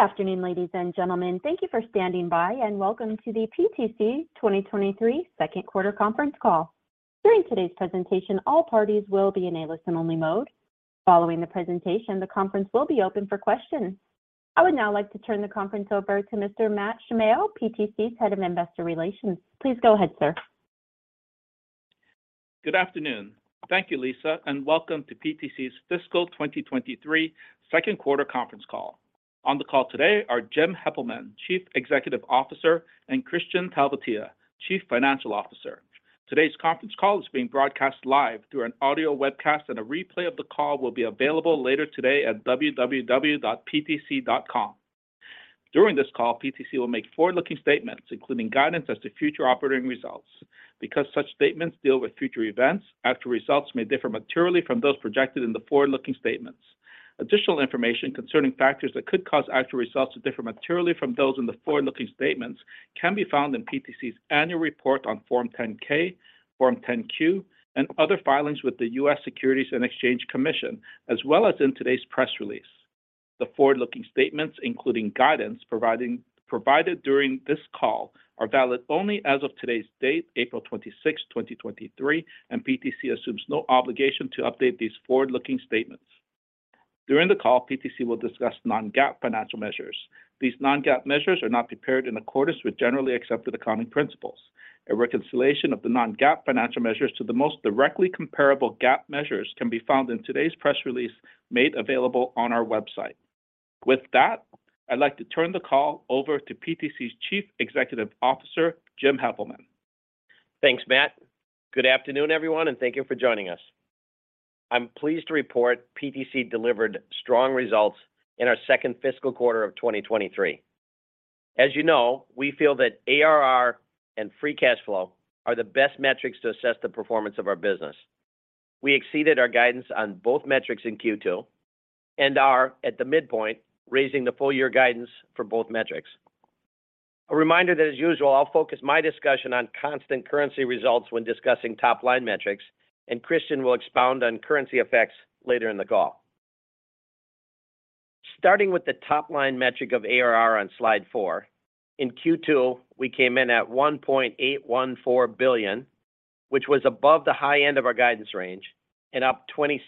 Good afternoon, ladies and gentlemen. Thank you for standing by, welcome to the PTC 2023 second quarter conference call. During today's presentation, all parties will be in a listen-only mode. Following the presentation, the conference will be open for questions. I would now like to turn the conference over to Mr. Matt Shimao, PTC's Head of Investor Relations. Please go ahead, sir. Good afternoon. Thank you, Lisa, and welcome to PTC's fiscal 2023 second quarter conference call. On the call today are Jim Heppelmann, Chief Executive Officer, and Kristian Talvitie, Chief Financial Officer. Today's conference call is being broadcast live through an audio webcast, and a replay of the call will be available later today at www.ptc.com. During this call, PTC will make forward-looking statements, including guidance as to future operating results. Because such statements deal with future events, actual results may differ materially from those projected in the forward-looking statements. Additional information concerning factors that could cause actual results to differ materially from those in the forward-looking statements can be found in PTC's annual report on Form 10-K, Form 10-Q, and other filings with the U.S. Securities and Exchange Commission, as well as in today's press release. The forward-looking statements, including guidance provided during this call, are valid only as of today's date, April 26, 2023, and PTC assumes no obligation to update these forward-looking statements. During the call, PTC will discuss non-GAAP financial measures. These non-GAAP measures are not prepared in accordance with generally accepted accounting principles. A reconciliation of the non-GAAP financial measures to the most directly comparable GAAP measures can be found in today's press release made available on our website. With that, I'd like to turn the call over to PTC's Chief Executive Officer, Jim Heppelmann. Thanks, Matt Shimao. Good afternoon, everyone, thank you for joining us. I'm pleased to report PTC delivered strong results in our second fiscal quarter of 2023. As you know, we feel that ARR and free cash flow are the best metrics to assess the performance of our business. We exceeded our guidance on both metrics in Q2 and are at the midpoint, raising the full-year guidance for both metrics. A reminder that as usual, I'll focus my discussion on constant currency results when discussing top-line metrics, and Kristian Talvitie will expound on currency effects later in the call. Starting with the top-line metric of ARR on slide four, in Q2, we came in at $1.814 billion, which was above the high end of our guidance range and up 26%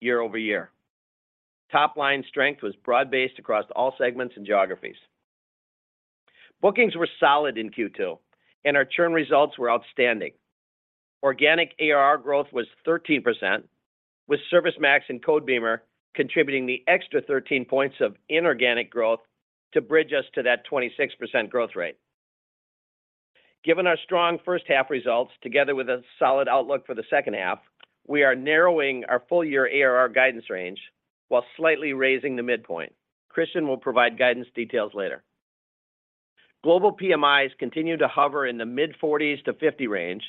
year-over-year. Top-line strength was broad-based across all segments and geographies. Bookings were solid in Q2, and our churn results were outstanding. Organic ARR growth was 13%, with ServiceMax and Codebeamer contributing the extra 13 points of inorganic growth to bridge us to that 26% growth rate. Given our strong first half results together with a solid outlook for the second half, we are narrowing our full-year ARR guidance range while slightly raising the midpoint. Kristian will provide guidance details later. Global PMIs continue to hover in the mid- 40s-50 range,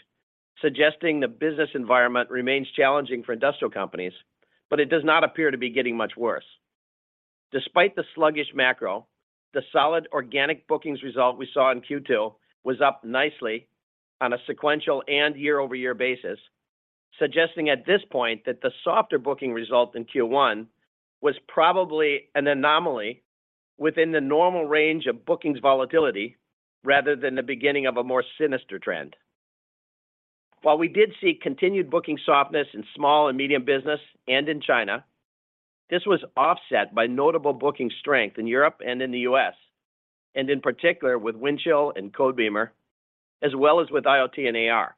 suggesting the business environment remains challenging for industrial companies, but it does not appear to be getting much worse. Despite the sluggish macro, the solid organic bookings result we saw in Q2 was up nicely on a sequential and year-over-year basis, suggesting at this point that the softer booking result in Q1 was probably an anomaly within the normal range of bookings volatility rather than the beginning of a more sinister trend. While we did see continued booking softness in small and medium business and in China, this was offset by notable booking strength in Europe and in the U.S., and in particular with Windchill and Codebeamer, as well as with IoT and AR.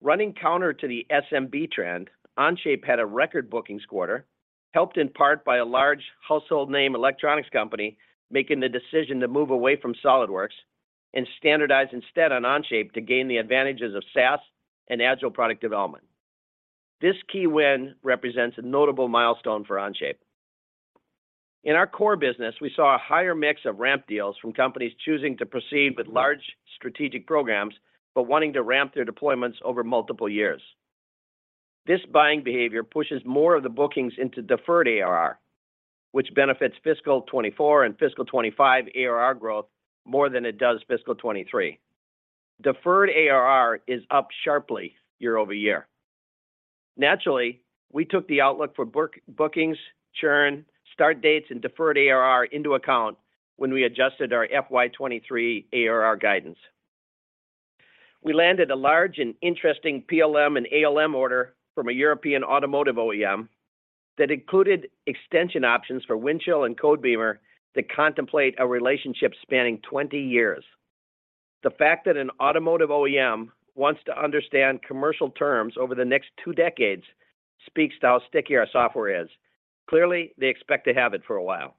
Running counter to the SMB trend, Onshape had a record bookings quarter, helped in part by a large household name electronics company making the decision to move away from SOLIDWORKS and standardize instead on Onshape to gain the advantages of SaaS and agile product development. This key win represents a notable milestone for Onshape. In our core business, we saw a higher mix of ramp deals from companies choosing to proceed with large strategic programs, but wanting to ramp their deployments over multiple years. This buying behavior pushes more of the bookings into deferred ARR, which benefits fiscal 2024 and fiscal 2025 ARR growth more than it does fiscal 2023. Deferred ARR is up sharply year-over-year. Naturally, we took the outlook for book-bookings, churn, start dates, and deferred ARR into account when we adjusted our FY 2023 ARR guidance. We landed a large and interesting PLM and ALM order from a European automotive OEM that included extension options for Windchill and Codebeamer that contemplate a relationship spanning 20 years. The fact that an automotive OEM wants to understand commercial terms over the next two decades speaks to how sticky our software is. Clearly, they expect to have it for a while.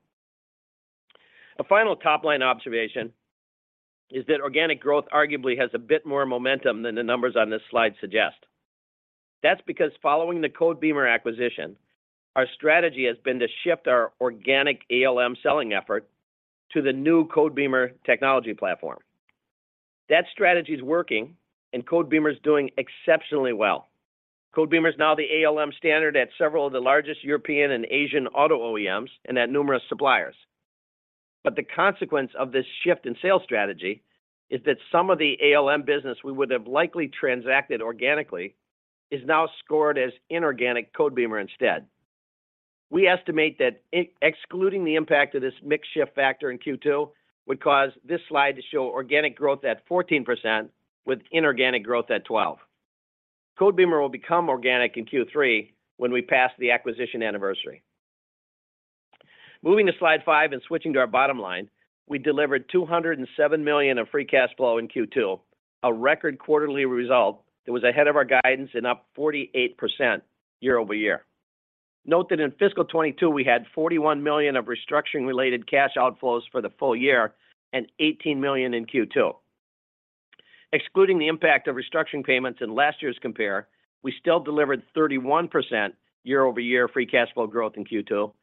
A final top-line observation is that organic growth arguably has a bit more momentum than the numbers on this slide suggest. That's because following the Codebeamer acquisition, our strategy has been to shift our organic ALM selling effort to the new Codebeamer technology platform. That strategy is working, and Codebeamer is doing exceptionally well. Codebeamer is now the ALM standard at several of the largest European and Asian auto OEMs and at numerous suppliers. The consequence of this shift in sales strategy is that some of the ALM business we would have likely transacted organically is now scored as inorganic Codebeamer instead. We estimate that excluding the impact of this mix shift factor in Q2 would cause this slide to show organic growth at 14% with inorganic growth at 12%. Codebeamer will become organic in Q3 when we pass the acquisition anniversary. Switching to our bottom line, we delivered $207 million of free cash flow in Q2, a record quarterly result that was ahead of our guidance and up 48% year-over-year. Note that in fiscal 2022 we had $41 million of restructuring-related cash outflows for the full year and $18 million in Q2. Excluding the impact of restructuring payments in last year's compare, we still delivered 31% year-over-year free cash flow growth in Q2,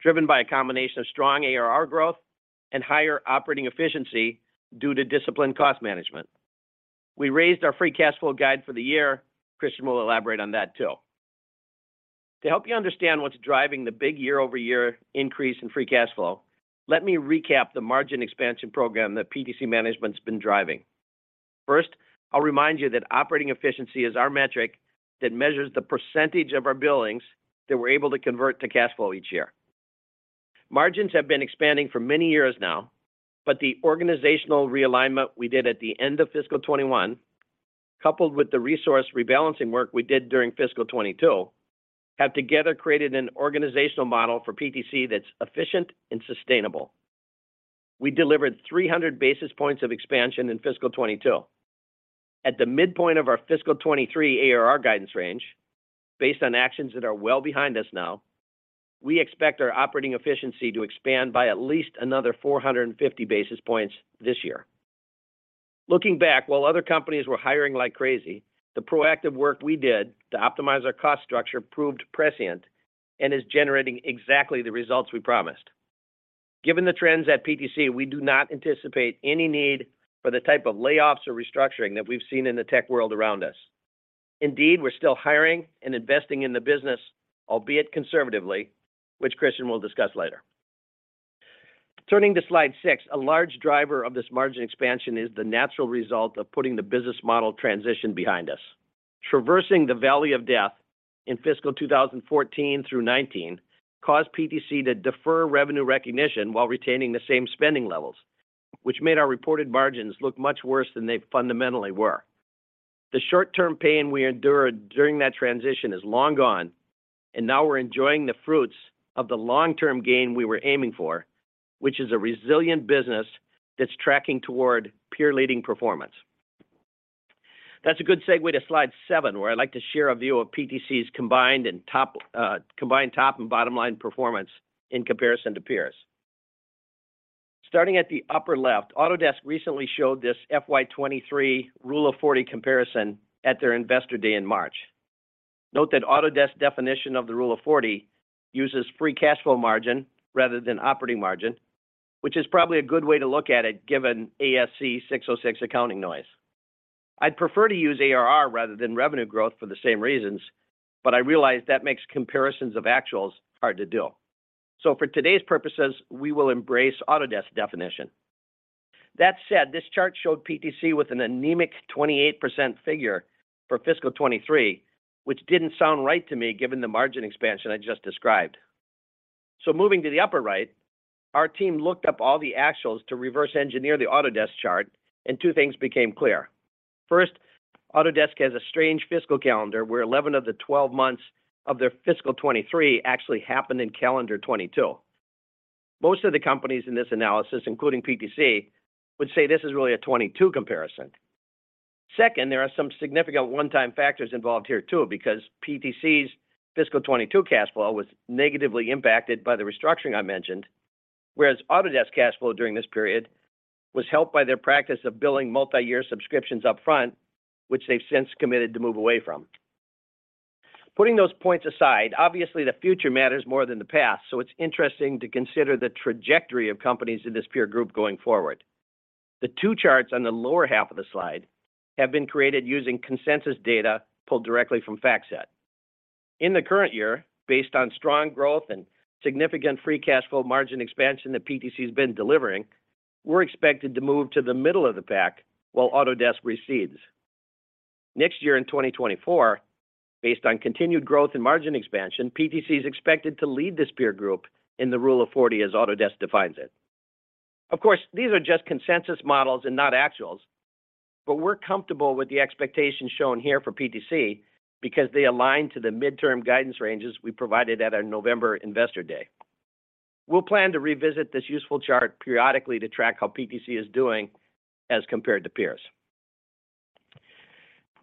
driven by a combination of strong ARR growth and higher operating efficiency due to disciplined cost management. We raised our free cash flow guide for the year. Kristian will elaborate on that too. To help you understand what's driving the big year-over-year increase in free cash flow, let me recap the margin expansion program that PTC management's been driving. I'll remind you that operating efficiency is our metric that measures the percentage of our billings that we're able to convert to cash flow each year. Margins have been expanding for many years now, the organizational realignment we did at the end of fiscal 2021, coupled with the resource rebalancing work we did during fiscal 2022, have together created an organizational model for PTC that's efficient and sustainable. We delivered 300 basis points of expansion in fiscal 2022. At the midpoint of our fiscal 2023 ARR guidance range, based on actions that are well behind us now, we expect our operating efficiency to expand by at least another 450 basis points this year. Looking back, while other companies were hiring like crazy, the proactive work we did to optimize our cost structure proved prescient and is generating exactly the results we promised. Given the trends at PTC, we do not anticipate any need for the type of layoffs or restructuring that we've seen in the tech world around us. Indeed, we're still hiring and investing in the business, albeit conservatively, which Kristian will discuss later. Turning to slide six, a large driver of this margin expansion is the natural result of putting the business model transition behind us. Traversing the valley of death in fiscal 2014-2019 caused PTC to defer revenue recognition while retaining the same spending levels, which made our reported margins look much worse than they fundamentally were. The short-term pain we endured during that transition is long gone, and now we're enjoying the fruits of the long-term gain we were aiming for, which is a resilient business that's tracking toward peer-leading performance. That's a good segue to slide seven, where I'd like to share a view of PTC's combined top and bottom line performance in comparison to peers. Starting at the upper left, Autodesk recently showed this FY 2023 Rule of 40 comparison at their Investor Day in March. Note that Autodesk's definition of the Rule of 40 uses free cash flow margin rather than operating margin, which is probably a good way to look at it given ASC 606 accounting noise. I'd prefer to use ARR rather than revenue growth for the same reasons, I realize that makes comparisons of actuals hard to do. For today's purposes, we will embrace Autodesk's definition. That said, this chart showed PTC with an anemic 28% figure for fiscal 2023, which didn't sound right to me given the margin expansion I just described. Moving to the upper right, our team looked up all the actuals to reverse engineer the Autodesk chart, and two things became clear. First, Autodesk has a strange fiscal calendar where 11 of the 12 months of their fiscal 2023 actually happened in calendar 2022. Most of the companies in this analysis, including PTC, would say this is really a 2022 comparison. Second, there are some significant one-time factors involved here too, because PTC's fiscal 2022 cash flow was negatively impacted by the restructuring I mentioned, whereas Autodesk cash flow during this period was helped by their practice of billing multi-year subscriptions up front, which they've since committed to move away from. Putting those points aside, obviously the future matters more than the past. It's interesting to consider the trajectory of companies in this peer group going forward. The two charts on the lower half of the slide have been created using consensus data pulled directly from FactSet. In the current year, based on strong growth and significant free cash flow margin expansion that PTC has been delivering, we're expected to move to the middle of the pack while Autodesk recedes. Next year in 2024, based on continued growth in margin expansion, PTC is expected to lead this peer group in the Rule of 40 as Autodesk defines it. Of course, these are just consensus models and not actuals, but we're comfortable with the expectations shown here for PTC because they align to the midterm guidance ranges we provided at our November Investor Day. We'll plan to revisit this useful chart periodically to track how PTC is doing as compared to peers.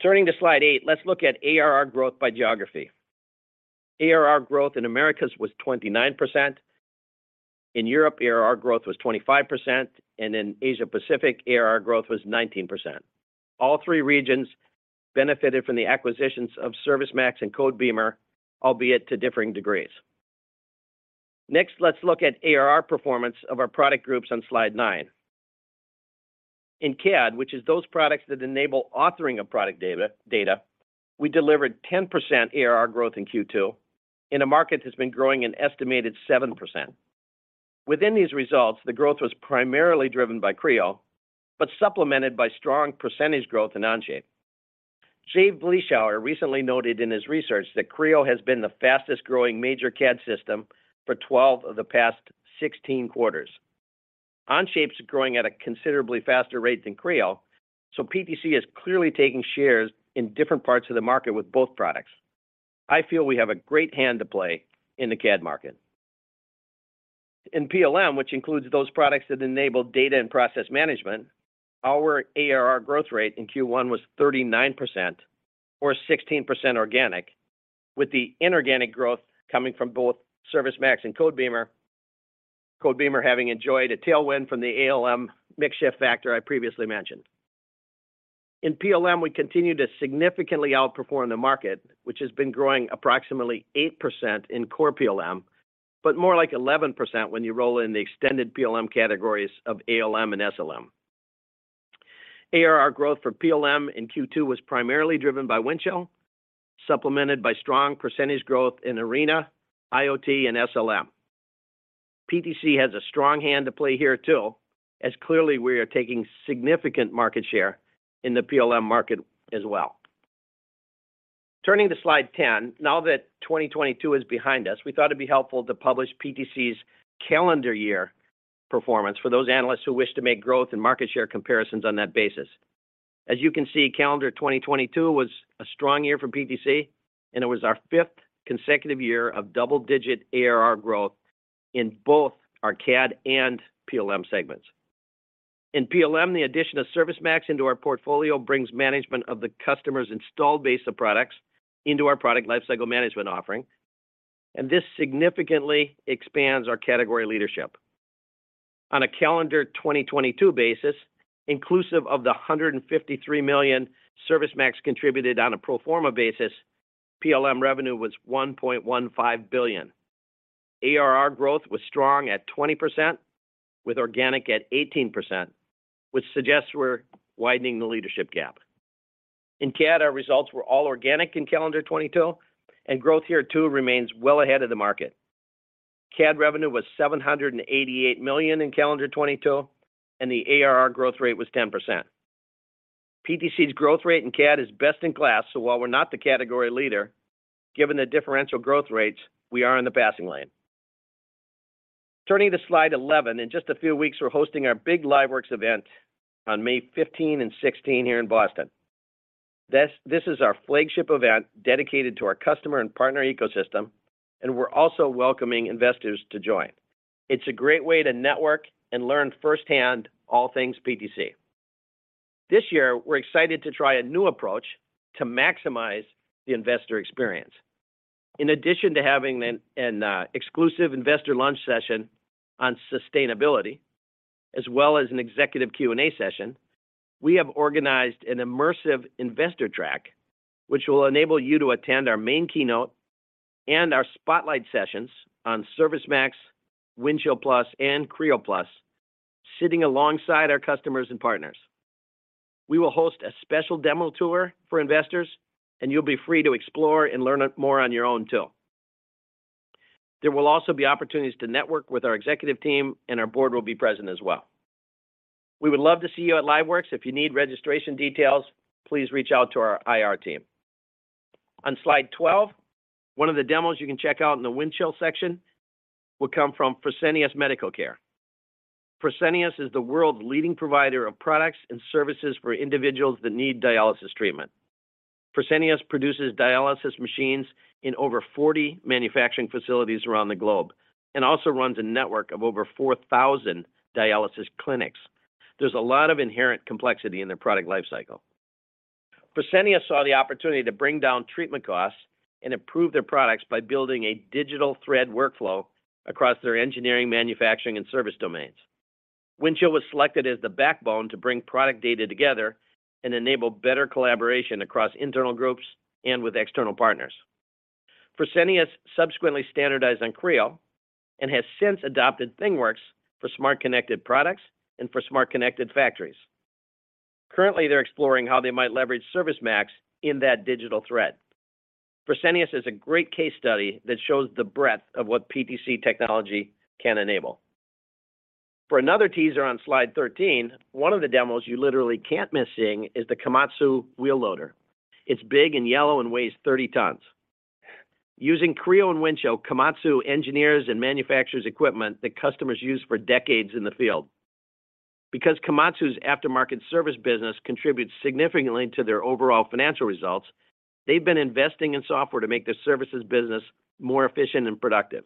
Turning to slide eight, let's look at ARR growth by geography. ARR growth in Americas was 29%. In Europe, ARR growth was 25%. In Asia Pacific, ARR growth was 19%. All three regions benefited from the acquisitions of ServiceMax and Codebeamer, albeit to differing degrees. Next, let's look at ARR performance of our product groups on slide nine. In CAD, which is those products that enable authoring of product data, we delivered 10% ARR growth in Q2 in a market that's been growing an estimated 7%. Within these results, the growth was primarily driven by Creo, but supplemented by strong percentage growth in Onshape. Jay Vleeschhouwer recently noted in his research that Creo has been the fastest-growing major CAD system for 12 of the past 16 quarters. Onshape's growing at a considerably faster rate than Creo. PTC is clearly taking shares in different parts of the market with both products. I feel we have a great hand to play in the CAD market. In PLM, which includes those products that enable data and process management, our ARR growth rate in Q1 was 39% or 16% organic, with the inorganic growth coming from both ServiceMax and Codebeamer. Codebeamer having enjoyed a tailwind from the ALM mix shift factor I previously mentioned. In PLM, we continue to significantly outperform the market, which has been growing approximately 8% in core PLM, but more like 11% when you roll in the extended PLM categories of ALM and SLM. ARR growth for PLM in Q2 was primarily driven by Windchill, supplemented by strong percentage growth in Arena, IoT and SLM. PTC has a strong hand to play here too, as clearly we are taking significant market share in the PLM market as well. Turning to slide 10, now that 2022 is behind us, we thought it'd be helpful to publish PTC's calendar year performance for those analysts who wish to make growth and market share comparisons on that basis. As you can see, calendar 2022 was a strong year for PTC, and it was our fifth consecutive year of double-digit ARR growth in both our CAD and PLM segments. In PLM, the addition of ServiceMax into our portfolio brings management of the customer's installed base of products into our product lifecycle management offering, and this significantly expands our category leadership. On a calendar 2022 basis, inclusive of the $153 million ServiceMax contributed on a pro forma basis, PLM revenue was $1.15 billion. ARR growth was strong at 20%, with organic at 18%, which suggests we're widening the leadership gap. In CAD, our results were all organic in calendar 2022, and growth here too remains well ahead of the market. CAD revenue was $788 million in calendar 2022, and the ARR growth rate was 10%. PTC's growth rate in CAD is best in class. While we're not the category leader, given the differential growth rates, we are in the passing lane. Turning to slide 11. In just a few weeks, we're hosting our big LiveWorx event on May 15 and 16 here in Boston. This is our flagship event dedicated to our customer and partner ecosystem, and we're also welcoming investors to join. It's a great way to network and learn firsthand all things PTC. This year we're excited to try a new approach to maximize the investor experience. In addition to having an exclusive investor lunch session on sustainability as well as an executive Q&A session, we have organized an immersive investor track which will enable you to attend our main keynote and our spotlight sessions on ServiceMax, Windchill+, and Creo+ sitting alongside our customers and partners. We will host a special demo tour for investors, and you'll be free to explore and learn more on your own too. There will also be opportunities to network with our executive team, and our board will be present as well. We would love to see you at LiveWorx. If you need registration details, please reach out to our IR team. On slide 12, one of the demos you can check out in the Windchill section will come from Fresenius Medical Care. Fresenius is the world's leading provider of products and services for individuals that need dialysis treatment. Fresenius produces dialysis machines in over 40 manufacturing facilities around the globe and also runs a network of over 4,000 dialysis clinics. There's a lot of inherent complexity in their product lifecycle. Fresenius saw the opportunity to bring down treatment costs and improve their products by building a digital thread workflow across their engineering, manufacturing, and service domains. Windchill was selected as the backbone to bring product data together and enable better collaboration across internal groups and with external partners. Fresenius subsequently standardized on Creo and has since adopted ThingWorx for smart connected products and for smart connected factories. Currently, they're exploring how they might leverage ServiceMax in that digital thread. Fresenius is a great case study that shows the breadth of what PTC technology can enable. For another teaser on slide 13, one of the demos you literally can't miss seeing is the Komatsu wheel loader. It's big and yellow and weighs 30 tons. Using Creo and Windchill, Komatsu engineers and manufactures equipment that customers use for decades in the field. Komatsu's aftermarket service business contributes significantly to their overall financial results, they've been investing in software to make their services business more efficient and productive.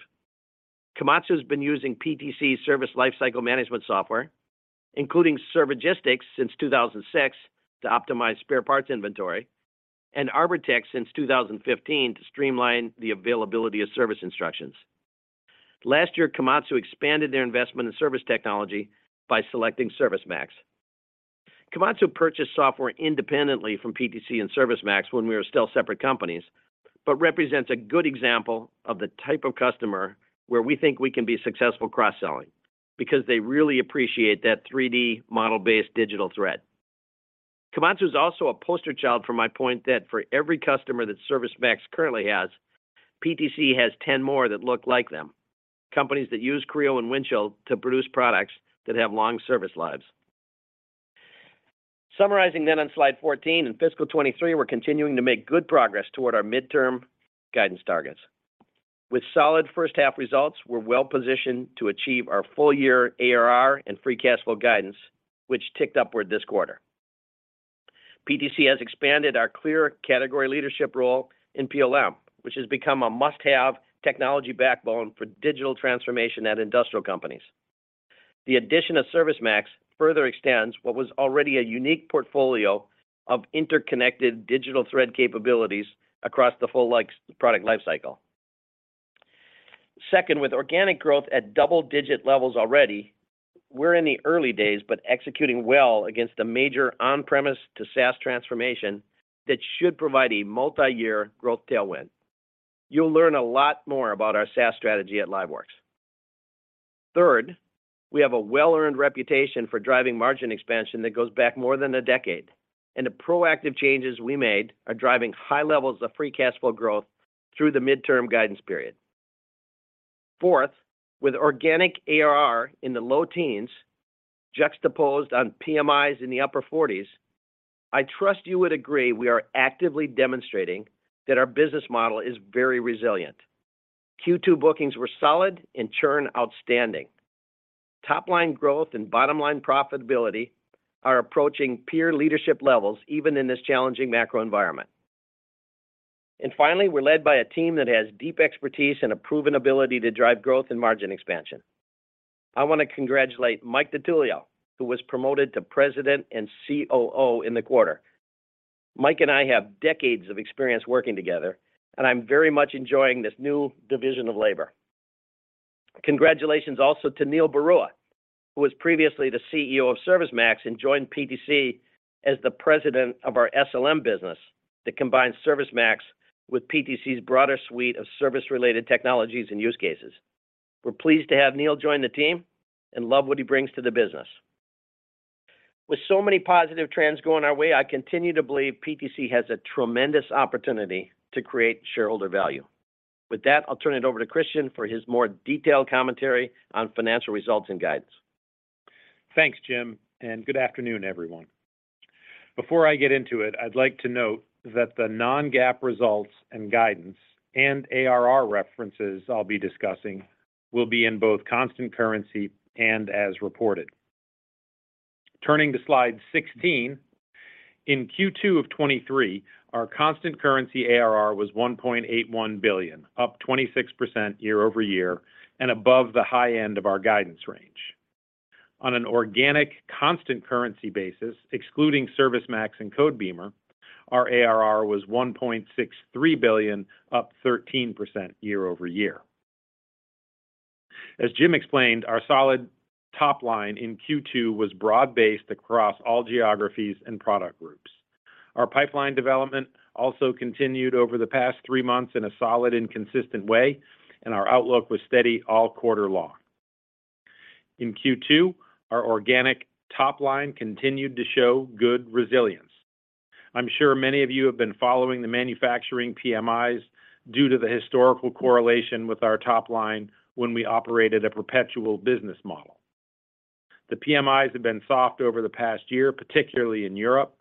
Komatsu's been using PTC service lifecycle management software, including Servigistics since 2006 to optimize spare parts inventory and Arbortext since 2015 to streamline the availability of service instructions. Last year, Komatsu expanded their investment in service technology by selecting ServiceMax. Komatsu purchased software independently from PTC and ServiceMax when we were still separate companies. Represents a good example of the type of customer where we think we can be successful cross-selling because they really appreciate that 3D model-based digital thread. Komatsu is also a poster child for my point that for every customer that ServiceMax currently has, PTC has 10 more that look like them. Companies that use Creo and Windchill to produce products that have long service lives. Summarizing then on slide 14, in fiscal 2023, we're continuing to make good progress toward our midterm guidance targets. With solid first half results, we're well positioned to achieve our full year ARR and free cash flow guidance, which ticked upward this quarter. PTC has expanded our clear category leadership role in PLM, which has become a must-have technology backbone for digital transformation at industrial companies. The addition of ServiceMax further extends what was already a unique portfolio of interconnected digital thread capabilities across the full product lifecycle. With organic growth at double-digit levels already, we're in the early days but executing well against a major on-premise to SaaS transformation that should provide a multi-year growth tailwind. You'll learn a lot more about our SaaS strategy at LiveWorx. We have a well-earned reputation for driving margin expansion that goes back more than a decade, and the proactive changes we made are driving high levels of free cash flow growth through the midterm guidance period. With organic ARR in the low teens juxtaposed on PMIs in the upper forties, I trust you would agree we are actively demonstrating that our business model is very resilient. Q2 bookings were solid and churn outstanding. Top line growth and bottom line profitability are approaching peer leadership levels even in this challenging macro environment. Finally, we're led by a team that has deep expertise and a proven ability to drive growth and margin expansion. I want to congratulate Mike DiTullio, who was promoted to President and COO in the quarter. Mike and I have decades of experience working together, and I'm very much enjoying this new division of labor. Congratulations also to Neil Barua, who was previously the CEO of ServiceMax and joined PTC as the President of our SLM business that combines ServiceMax with PTC's broader suite of service-related technologies and use cases. We're pleased to have Neil join the team and love what he brings to the business. With so many positive trends going our way, I continue to believe PTC has a tremendous opportunity to create shareholder value. With that, I'll turn it over to Kristian for his more detailed commentary on financial results and guidance. Thanks, Jim, and good afternoon, everyone. Before I get into it, I'd like to note that the non-GAAP results and guidance and ARR references I'll be discussing will be in both constant currency and as reported. Turning to slide 16. In Q2 of 2023, our constant currency ARR was $1.81 billion, up 26% year-over-year and above the high end of our guidance range. On an organic constant currency basis, excluding ServiceMax and Codebeamer, our ARR was $1.63 billion, up 13% year-over-year. As Jim explained, our solid top line in Q2 was broad-based across all geographies and product groups. Our pipeline development also continued over the past three months in a solid and consistent way, and our outlook was steady all quarter long. In Q2, our organic top line continued to show good resilience. I'm sure many of you have been following the manufacturing PMIs due to the historical correlation with our top line when we operated a perpetual business model. The PMIs have been soft over the past year, particularly in Europe,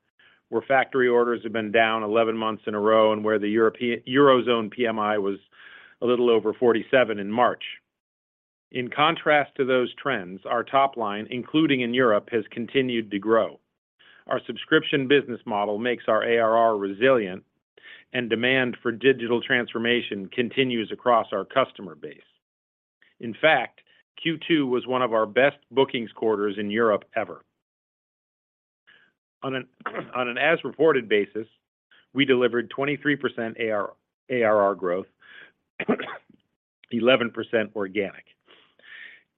where factory orders have been down 11 months in a row and where the Eurozone PMI was a little over 47 in March. In contrast to those trends, our top line, including in Europe, has continued to grow. Our subscription business model makes our ARR resilient, and demand for digital transformation continues across our customer base. Q2 was one of our best bookings quarters in Europe ever. On an as reported basis, we delivered 23% ARR growth, 11% organic.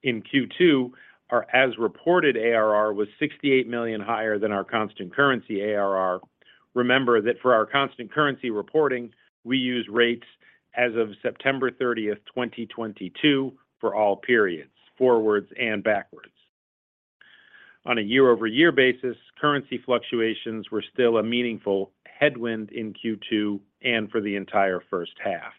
In Q2, our as reported ARR was $68 million higher than our constant currency ARR. Remember that for our constant currency reporting, we use rates as of September 30, 2022, for all periods, forwards and backwards. On a year-over-year basis, currency fluctuations were still a meaningful headwind in Q2 and for the entire first half.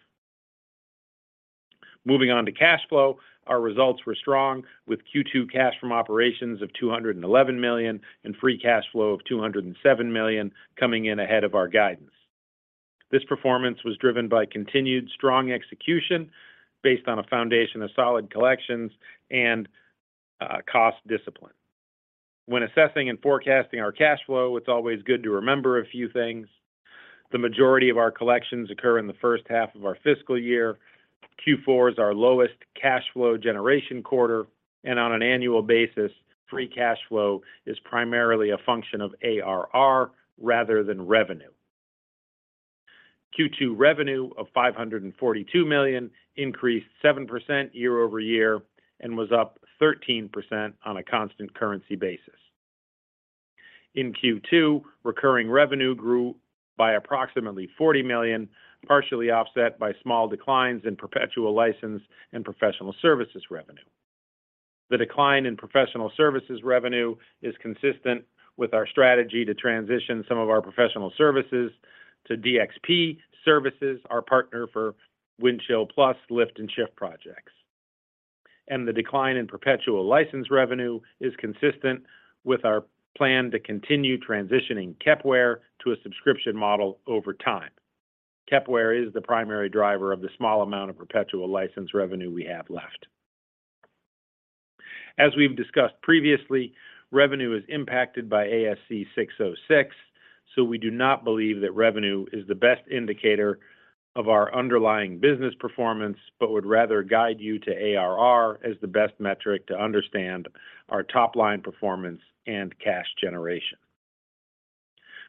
Moving on to cash flow, our results were strong, with Q2 cash from operations of $211 million and free cash flow of $207 million coming in ahead of our guidance. This performance was driven by continued strong execution based on a foundation of solid collections and cost discipline. When assessing and forecasting our cash flow, it's always good to remember a few things. The majority of our collections occur in the first half of our fiscal year. Q4 is our lowest cash flow generation quarter, and on an annual basis, free cash flow is primarily a function of ARR rather than revenue. Q2 revenue of $542 million increased 7% year-over-year and was up 13% on a constant currency basis. In Q2, recurring revenue grew by approximately $40 million, partially offset by small declines in perpetual license and professional services revenue. The decline in professional services revenue is consistent with our strategy to transition some of our professional services to DxP Services, our partner for Windchill+ lift and shift projects. The decline in perpetual license revenue is consistent with our plan to continue transitioning Kepware to a subscription model over time. Kepware is the primary driver of the small amount of perpetual license revenue we have left. As we've discussed previously, revenue is impacted by ASC 606, so we do not believe that revenue is the best indicator of our underlying business performance, but would rather guide you to ARR as the best metric to understand our top-line performance and cash generation.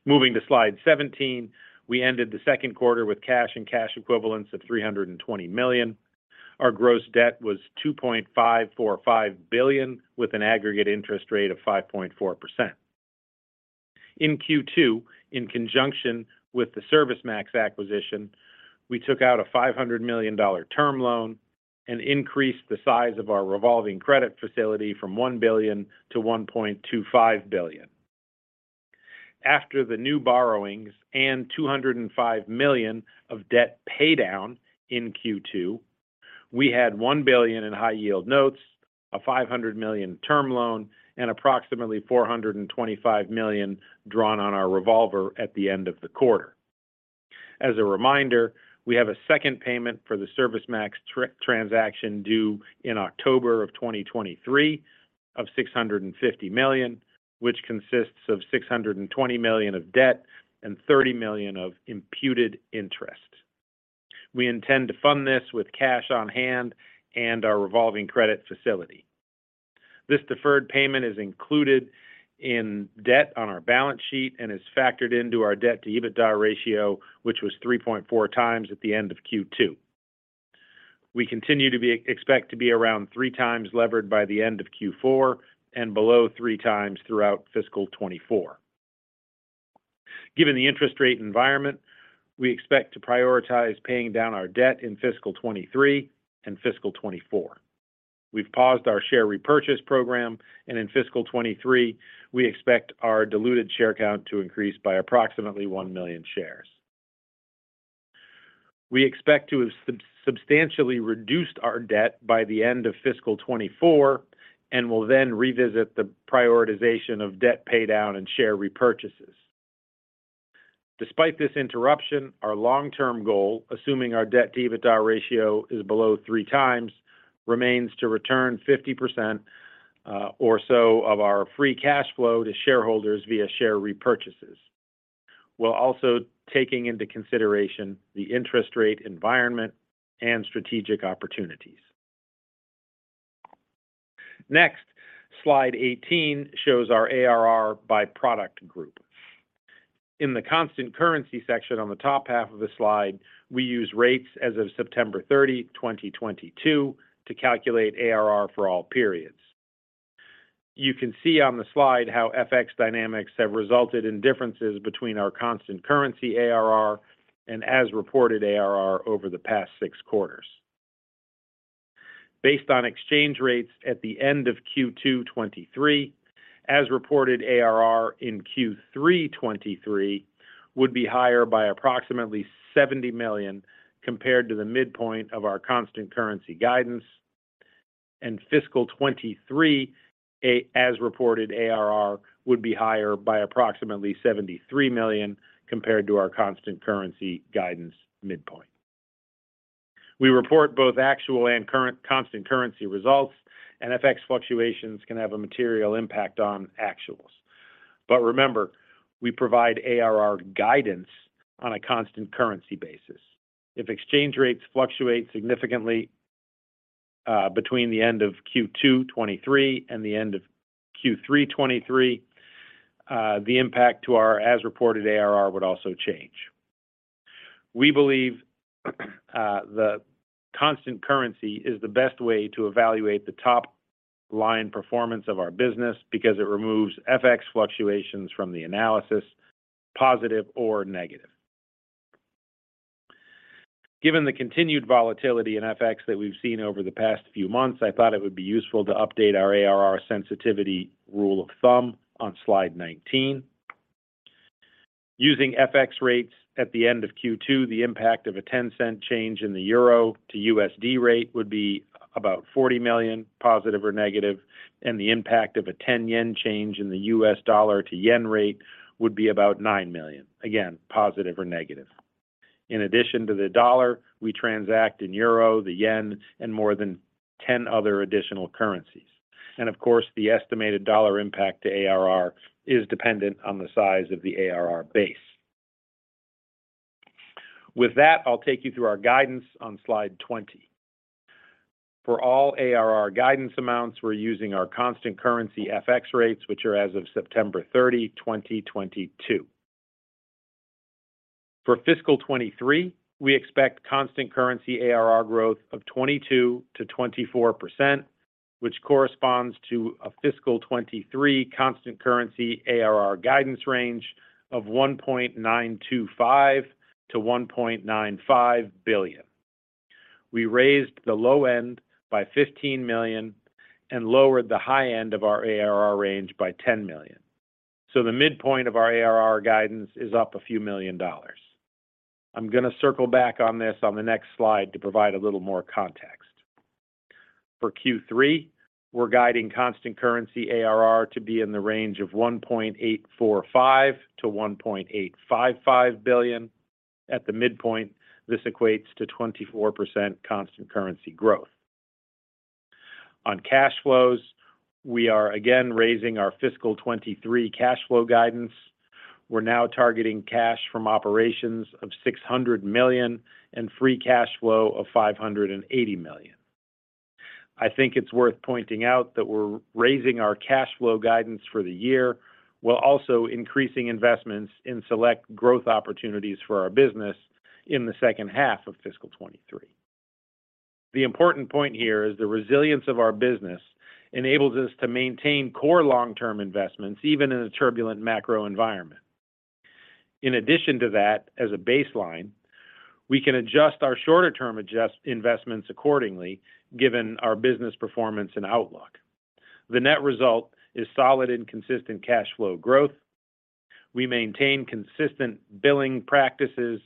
Moving to slide 17, we ended the second quarter with cash and cash equivalents of $320 million. Our gross debt was $2.545 billion, with an aggregate interest rate of 5.4%. In Q2, in conjunction with the ServiceMax acquisition, we took out a $500 million term loan and increased the size of our revolving credit facility from $1 billion to $1.25 billion. After the new borrowings and $205 million of debt paydown in Q2, we had $1 billion in high-yield notes, a $500 million term loan, and approximately $425 million drawn on our revolver at the end of the quarter. As a reminder, we have a second payment for the ServiceMax transaction due in October of 2023 of $650 million, which consists of $620 million of debt and $30 million of imputed interest. We intend to fund this with cash on hand and our revolving credit facility. This deferred payment is included in debt on our balance sheet and is factored into our debt-to-EBITDA ratio, which was 3.4x at the end of Q2. We continue to expect to be around three times levered by the end of Q4 and below three times throughout fiscal 2024. Given the interest rate environment, we expect to prioritize paying down our debt in fiscal 2023 and fiscal 2024. We've paused our share repurchase program, and in fiscal 2023, we expect our diluted share count to increase by approximately one million shares. We expect to have substantially reduced our debt by the end of fiscal 2024 and will then revisit the prioritization of debt paydown and share repurchases. Despite this interruption, our long-term goal, assuming our debt-to-EBITDA ratio is below three times, remains to return 50% or so of our free cash flow to shareholders via share repurchases, while also taking into consideration the interest rate environment and strategic opportunities. Next, slide 18 shows our ARR by product group. In the constant currency section on the top half of the slide, we use rates as of September 30, 2022 to calculate ARR for all periods. You can see on the slide how FX dynamics have resulted in differences between our constant currency ARR and as-reported ARR over the past six quarters. Based on exchange rates at the end of Q2 2023, as-reported ARR in Q3 2023 would be higher by approximately $70 million compared to the midpoint of our constant currency guidance. Fiscal 2023, as-reported ARR would be higher by approximately $73 million compared to our constant currency guidance midpoint. We report both actual and current constant currency results, FX fluctuations can have a material impact on actuals. Remember, we provide ARR guidance on a constant currency basis. If exchange rates fluctuate significantly, between the end of Q2 2023 and the end of Q3 2023, the impact to our as-reported ARR would also change. We believe, the constant currency is the best way to evaluate the top-line performance of our business because it removes FX fluctuations from the analysis, positive or negative. Given the continued volatility in FX that we've seen over the past few months, I thought it would be useful to update our ARR sensitivity rule of thumb on slide 19. Using FX rates at the end of Q2, the impact of a 10-cent change in the euro-to-USD rate would be about $40 million, positive or negative, and the impact of a 10-yen change in the USD-to-yen rate would be about 9 million, again, positive or negative. In addition to the dollar, we transact in euro, the yen, and more than 10 other additional currencies. Of course, the estimated dollar impact to ARR is dependent on the size of the ARR base. With that, I'll take you through our guidance on slide 20. For all ARR guidance amounts, we're using our constant currency FX rates, which are as of September 30, 2022. For fiscal 2023, we expect constant currency ARR growth of 22%-24%, which corresponds to a fiscal 2023 constant currency ARR guidance range of $1.925 billion-$1.95 billion. We raised the low end by $15 million and lowered the high end of our ARR range by $10 million. The midpoint of our ARR guidance is up a few million dollars. I'm gonna circle back on this on the next slide to provide a little more context. For Q3, we're guiding constant currency ARR to be in the range of $1.845 billion-$1.855 billion. At the midpoint, this equates to 24% constant currency growth. On cash flows, we are again raising our fiscal 2023 cash flow guidance. We're now targeting cash from operations of $600 million and free cash flow of $580 million. I think it's worth pointing out that we're raising our cash flow guidance for the year, while also increasing investments in select growth opportunities for our business in the second half of fiscal 2023. The important point here is the resilience of our business enables us to maintain core long-term investments, even in a turbulent macro environment. In addition to that, as a baseline, we can adjust our shorter-term investments accordingly given our business performance and outlook. The net result is solid and consistent cash flow growth. We maintain consistent billing practices,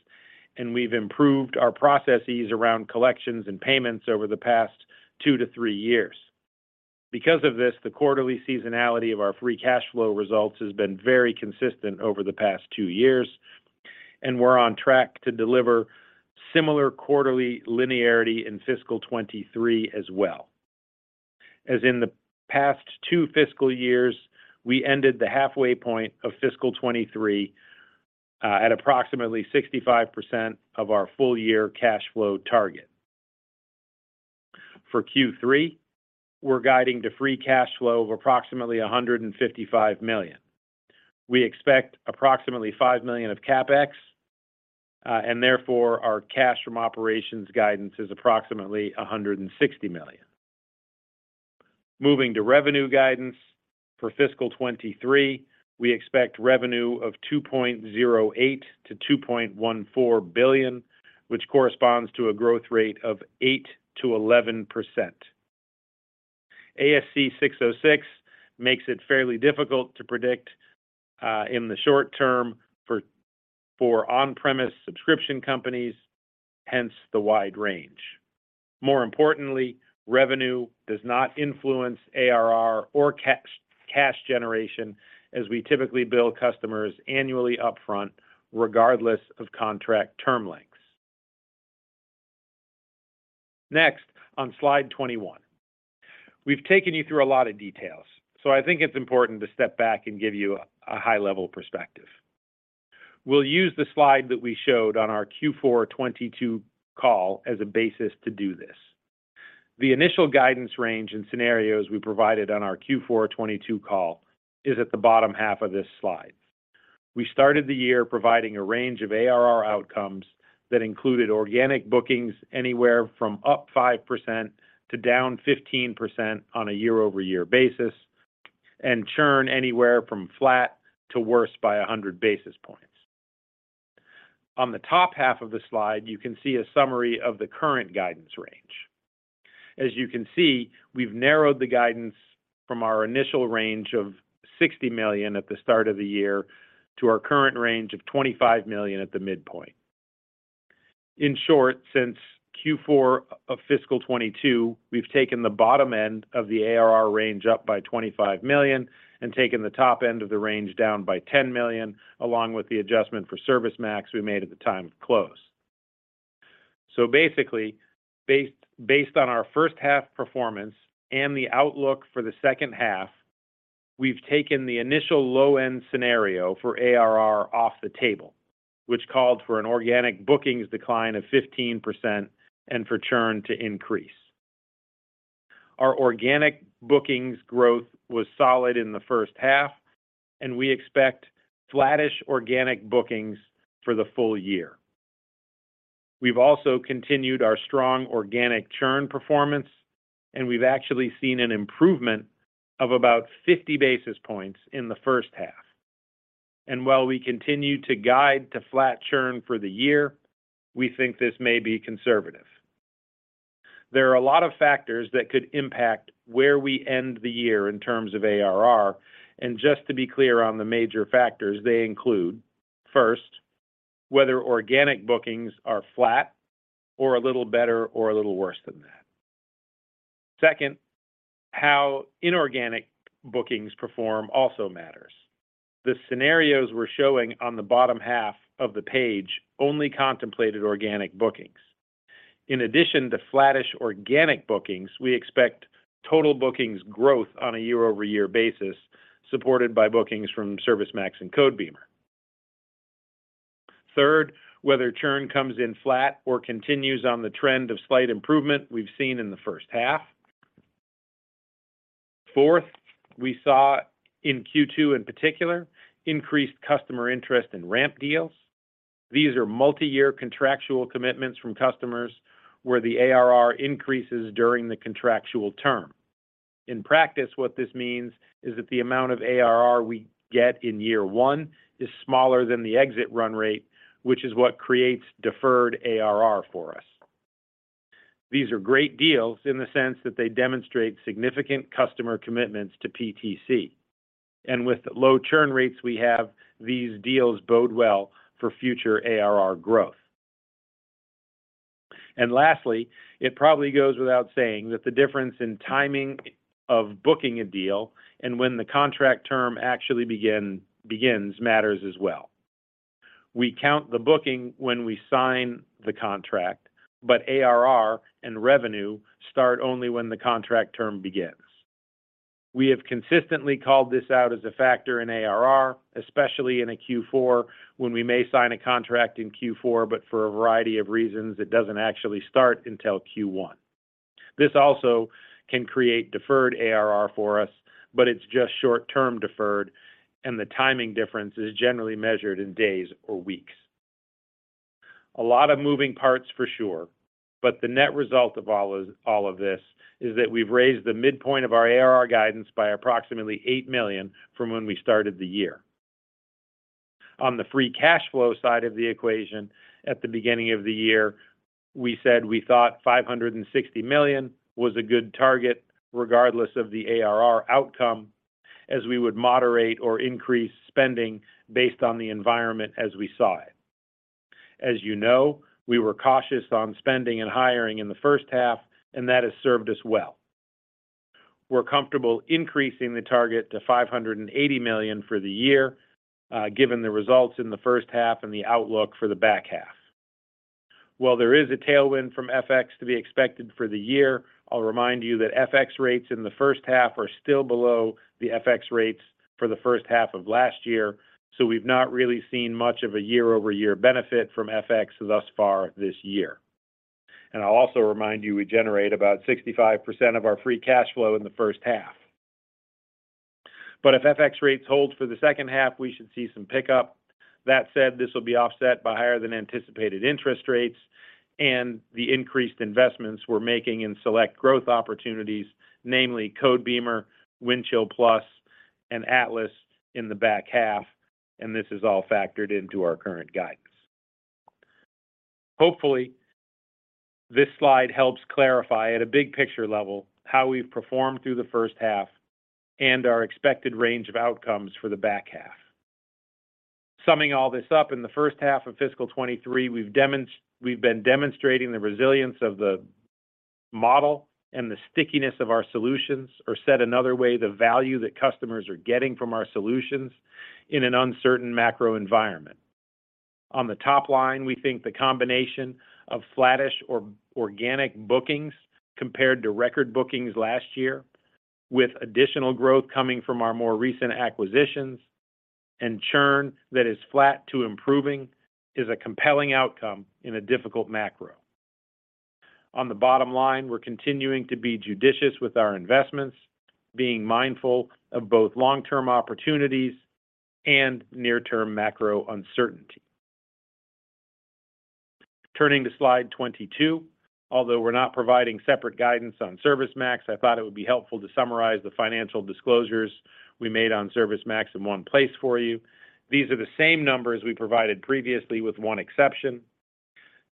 and we've improved our processes around collections and payments over the past tow to three years. The quarterly seasonality of our free cash flow results has been very consistent over the past two years, and we're on track to deliver similar quarterly linearity in fiscal 2023 as well. As in the past two fiscal years, we ended the halfway point of fiscal 2023, at approximately 65% of our full year cash flow target. For Q3, we're guiding to free cash flow of approximately $155 million. We expect approximately $5 million of CapEx. Therefore our cash from operations guidance is approximately $160 million. Moving to revenue guidance. For fiscal 2023, we expect revenue of $2.08 billion-$2.14 billion, which corresponds to a growth rate of 8%-11%. ASC 606 makes it fairly difficult to predict in the short term for on-premise subscription companies, hence the wide range. More importantly, revenue does not influence ARR or cash generation as we typically bill customers annually upfront regardless of contract term lengths. On slide 21. We've taken you through a lot of details, I think it's important to step back and give you a high-level perspective. We'll use the slide that we showed on our Q4 2022 call as a basis to do this. The initial guidance range and scenarios we provided on our Q4 2022 call is at the bottom half of this slide. We started the year providing a range of ARR outcomes that included organic bookings anywhere from up 5% to down 15% on a year-over-year basis, and churn anywhere from flat to worse by 100 basis points. On the top half of the slide, you can see a summary of the current guidance range. As you can see, we've narrowed the guidance from our initial range of $60 million at the start of the year to our current range of $25 million at the midpoint. In short, since Q4 of fiscal 2022, we've taken the bottom end of the ARR range up by $25 million and taken the top end of the range down by $10 million, along with the adjustment for ServiceMax we made at the time of close. Basically, based on our first half performance and the outlook for the second half, we've taken the initial low-end scenario for ARR off the table, which called for an organic bookings decline of 15% and for churn to increase. Our organic bookings growth was solid in the first half, and we expect flattish organic bookings for the full year. We've also continued our strong organic churn performance, and we've actually seen an improvement of about 50 basis points in the first half. While we continue to guide to flat churn for the year, we think this may be conservative. There are a lot of factors that could impact where we end the year in terms of ARR. Just to be clear on the major factors, they include, first, whether organic bookings are flat or a little better or a little worse than that. Second, how inorganic bookings perform also matters. The scenarios we're showing on the bottom half of the page only contemplated organic bookings. In addition to flattish organic bookings, we expect total bookings growth on a year-over-year basis, supported by bookings from ServiceMax and Codebeamer. Third, whether churn comes in flat or continues on the trend of slight improvement we've seen in the first half. Fourth, we saw in Q2 in particular, increased customer interest in ramp deals. These are multi-year contractual commitments from customers where the ARR increases during the contractual term. In practice, what this means is that the amount of ARR we get in year one is smaller than the exit run rate, which is what creates deferred ARR for us. These are great deals in the sense that they demonstrate significant customer commitments to PTC, with low churn rates we have, these deals bode well for future ARR growth. Lastly, it probably goes without saying that the difference in timing of booking a deal and when the contract term actually begins matters as well. We count the booking when we sign the contract, but ARR and revenue start only when the contract term begins. We have consistently called this out as a factor in ARR, especially in a Q4 when we may sign a contract in Q4, but for a variety of reasons, it doesn't actually start until Q1. This also can create deferred ARR for us, but it's just short-term deferred, and the timing difference is generally measured in days or weeks. A lot of moving parts for sure, but the net result of all of this is that we've raised the midpoint of our ARR guidance by approximately $8 million from when we started the year. On the free cash flow side of the equation at the beginning of the year, we said we thought $560 million was a good target regardless of the ARR outcome as we would moderate or increase spending based on the environment as we saw it. As you know, we were cautious on spending and hiring in the first half, and that has served us well. We're comfortable increasing the target to $580 million for the year, given the results in the first half and the outlook for the back half. While there is a tailwind from FX to be expected for the year, I'll remind you that FX rates in the first half are still below the FX rates for the first half of last year, we've not really seen much of a year-over-year benefit from FX thus far this year. I'll also remind you, we generate about 65% of our free cash flow in the first half. If FX rates hold for the second half, we should see some pickup. This will be offset by higher than anticipated interest rates and the increased investments we're making in select growth opportunities, namely Codebeamer, Windchill+, and Atlas in the back half. This is all factored into our current guidance. Hopefully, this slide helps clarify at a big picture level how we've performed through the first half and our expected range of outcomes for the back half. Summing all this up in the first half of fiscal 2023, we've been demonstrating the resilience of the model and the stickiness of our solutions. Said another way, the value that customers are getting from our solutions in an uncertain macro environment. On the top line, we think the combination of flattish or organic bookings compared to record bookings last year, with additional growth coming from our more recent acquisitions and churn that is flat to improving, is a compelling outcome in a difficult macro. On the bottom line, we're continuing to be judicious with our investments, being mindful of both long-term opportunities and near-term macro uncertainty. Turning to slide 22. Although we're not providing separate guidance on ServiceMax, I thought it would be helpful to summarize the financial disclosures we made on ServiceMax in one place for you. These are the same numbers we provided previously with one exception.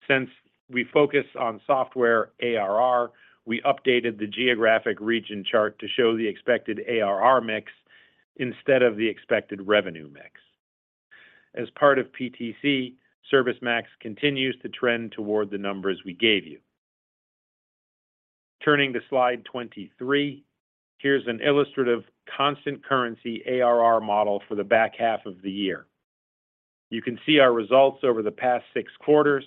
Since we focus on software ARR, we updated the geographic region chart to show the expected ARR mix instead of the expected revenue mix. As part of PTC, ServiceMax continues to trend toward the numbers we gave you. Turning to slide 23. Here's an illustrative constant currency ARR model for the back half of the year. You can see our results over the past six quarters,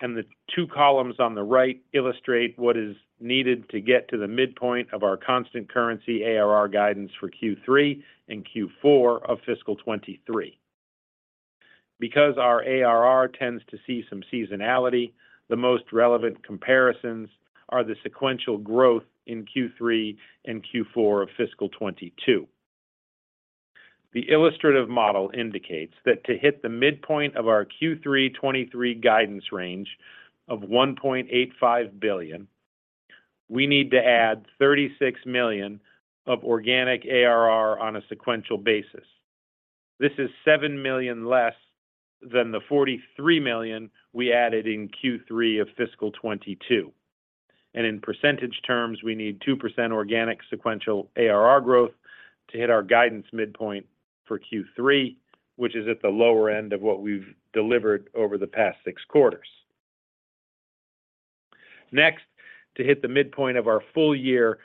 and the two columns on the right illustrate what is needed to get to the midpoint of our constant currency ARR guidance for Q3 and Q4 of fiscal 2023. Because our ARR tends to see some seasonality, the most relevant comparisons are the sequential growth in Q3 and Q4 of fiscal 2022. The illustrative model indicates that to hit the midpoint of our Q3 2023 guidance range of $1.85 billion, we need to add $36 million of organic ARR on a sequential basis. This is $7 million less than the $43 million we added in Q3 of fiscal 2022. In percentage terms, we need 2% organic sequential ARR growth to hit our guidance midpoint for Q3, which is at the lower end of what we've delivered over the past six quarters. Next, to hit the midpoint of our full year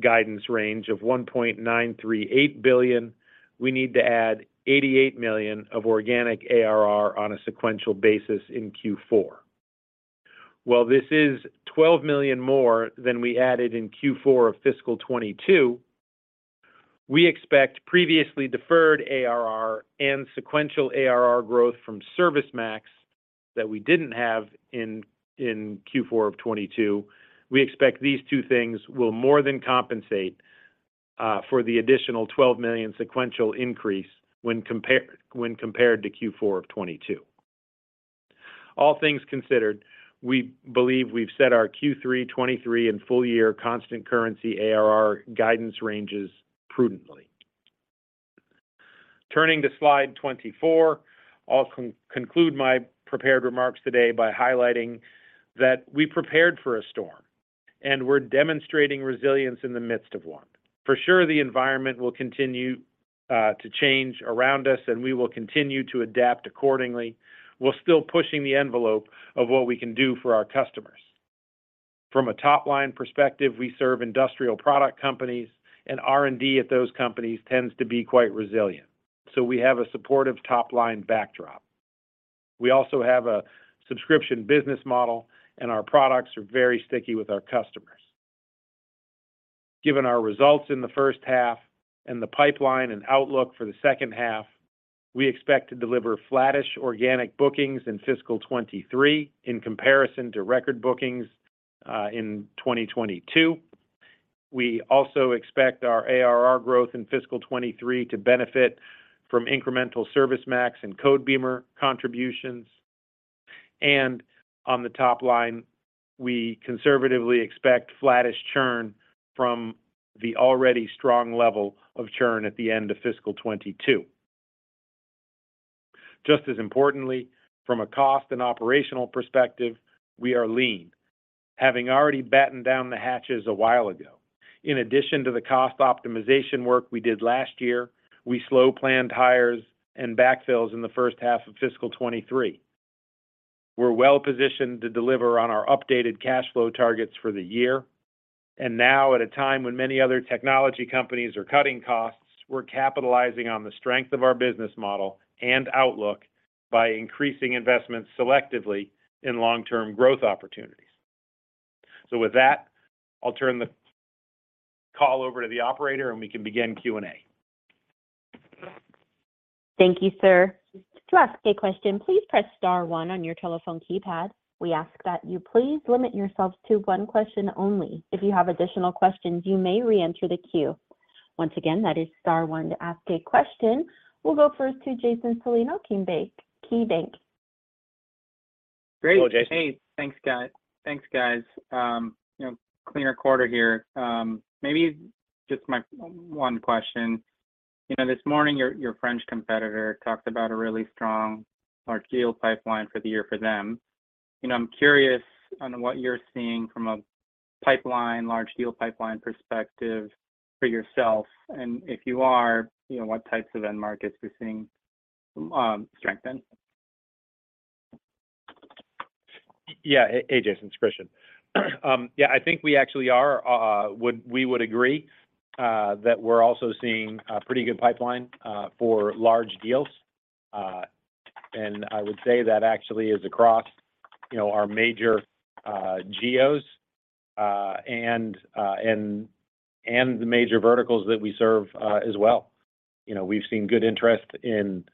guidance range of $1.938 billion, we need to add $88 million of organic ARR on a sequential basis in Q4. While this is $12 million more than we added in Q4 of fiscal 2022, we expect previously deferred ARR and sequential ARR growth from ServiceMax that we didn't have in Q4 of 2022. We expect these two things will more than compensate for the additional $12 million sequential increase when compared to Q4 of 2022. All things considered, we believe we've set our Q3 2023 and full year constant currency ARR guidance ranges prudently. Turning to slide 24, I'll conclude my prepared remarks today by highlighting that we prepared for a storm, and we're demonstrating resilience in the midst of one. The environment will continue to change around us, and we will continue to adapt accordingly. We're still pushing the envelope of what we can do for our customers. From a top-line perspective, we serve industrial product companies, and R&D at those companies tends to be quite resilient. We have a supportive top-line backdrop. We also have a subscription business model, and our products are very sticky with our customers. Given our results in the first half and the pipeline and outlook for the second half, we expect to deliver flattish organic bookings in fiscal 2023 in comparison to record bookings in 2022. We also expect our ARR growth in fiscal 2023 to benefit from incremental ServiceMax and Codebeamer contributions. On the top line, we conservatively expect flattish churn from the already strong level of churn at the end of fiscal 2022. Just as importantly, from a cost and operational perspective, we are lean, having already batten down the hatches a while ago. In addition to the cost optimization work we did last year, we slow-planned hires and backfills in the first half of fiscal 2023. We're well-positioned to deliver on our updated cash flow targets for the year. Now, at a time when many other technology companies are cutting costs, we're capitalizing on the strength of our business model and outlook by increasing investments selectively in long-term growth opportunities. With that, I'll turn the call over to the Operator, and we can begin Q&A. Thank you, sir. To ask a question, please press star one on your telephone keypad. We ask that you please limit yourselves to one question only. If you have additional questions, you may reenter the queue. Once again, that is star one to ask a question. We'll go first to Jason Celino, KeyBanc. Hello, Jason. Great. Hey, thanks, guys. You know, cleaner quarter here. Maybe just my one question. You know, this morning your French competitor talked about a really strong large deal pipeline for the year for them. You know, I'm curious on what you're seeing from a pipeline, large deal pipeline perspective for yourself, and if you are, you know, what types of end markets we're seeing strengthen? Yeah. Hey, Jason, it's Kristian. Yeah, I think we actually are. We would agree that we're also seeing a pretty good pipeline for large deals. I would say that actually is across, you know, our major geos and the major verticals that we serve as well. You know, we've seen good interest in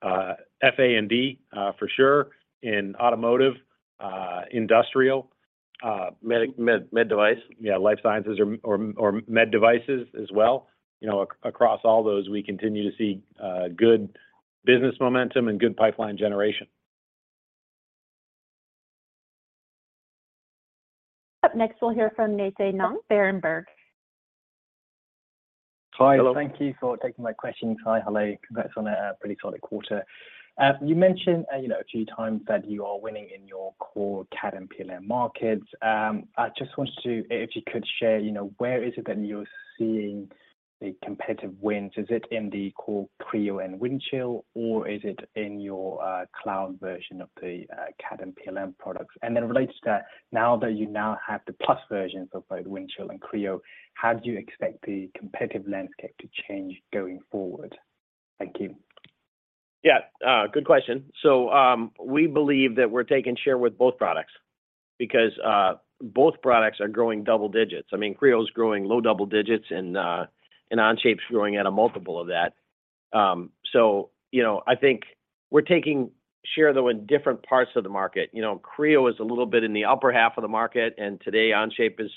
FA&D, for sure, in automotive, industrial, med device, yeah, life sciences or med devices as well. You know, across all those, we continue to see good business momentum and good pipeline generation. Up next, we'll hear from Nay Soe Naing, Berenberg. Hi. Hello. Thank you for taking my questions. Hi. Hello. Congrats on a pretty solid quarter. You mentioned, you know, a few times that you are winning in your core CAD and PLM markets. If you could share, you know, where is it that you're seeing the competitive wins? Is it in the core Creo and Windchill, or is it in your cloud version of the CAD and PLM products? Related to that, now that you now have the plus versions of both Windchill and Creo, how do you expect the competitive landscape to change going forward? Thank you. Yeah. Good question. We believe that we're taking share with both products because both products are growing double digits. I mean, Creo's growing low double digits, Onshape's growing at a multiple of that. You know, I think we're taking share, though, in different parts of the market. You know, Creo is a little bit in the upper half of the market, today Onshape is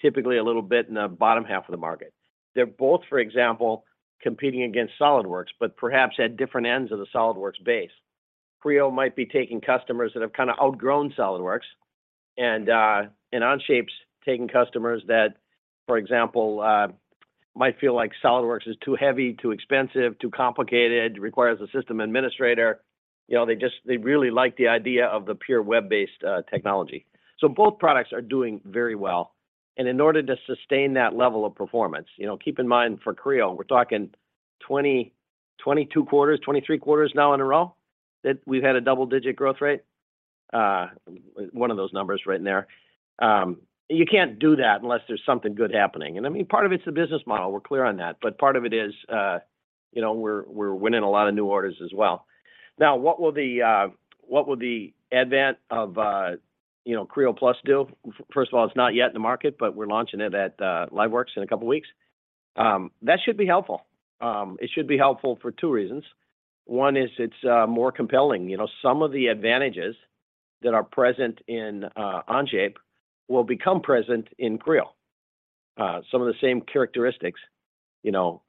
typically a little bit in the bottom half of the market. They're both, for example, competing against SOLIDWORKS, perhaps at different ends of the SOLIDWORKS base. Creo might be taking customers that have kinda outgrown SOLIDWORKS, Onshape's taking customers that, for example, might feel like SOLIDWORKS is too heavy, too expensive, too complicated, requires a system administrator. You know, they just... They really like the idea of the pure web-based technology. Both products are doing very well. In order to sustain that level of performance, you know, keep in mind for Creo, we're talking 22 quarters, 23 quarters now in a row that we've had a double-digit growth rate. One of those numbers right in there. You can't do that unless there's something good happening. I mean, part of it's the business model, we're clear on that, but part of it is. You know, we're winning a lot of new orders as well. What will the advent of, you know, Creo+ do? First of all, it's not yet in the market, but we're launching it at LiveWorx in a couple weeks. That should be helpful. It should be helpful for two reasons. One is it's more compelling. You know, some of the advantages that are present in Onshape will become present in Creo. Some of the same characteristics, you know.